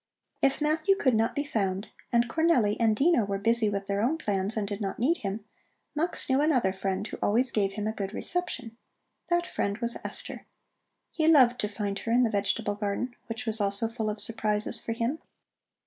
If Matthew could not be found and Cornelli and Dino were busy with their own plans and did not need him, Mux knew another friend who always gave him a good reception, that friend was Esther. He loved to find her in the vegetable garden, which was also full of surprises for him.